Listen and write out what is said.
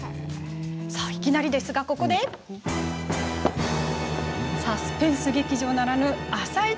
いきなりですが、ここでサスペンス劇場ならぬ「あさイチ」